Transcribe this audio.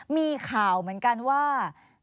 มีข่าวเหมือนกันว่า